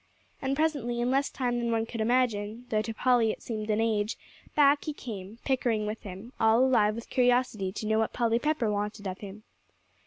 And presently, in less time than one could imagine, though to Polly it seemed an age, back he came, Pickering with him, all alive with curiosity to know what Polly Pepper wanted of him.